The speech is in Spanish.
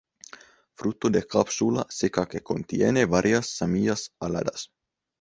Fruto de cápsula seca que contiene varias semillas aladas.